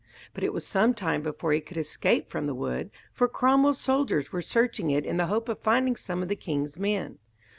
But it was some time before he could escape from the wood, for Cromwell's soldiers were searching it in the hope of finding some of the king's men.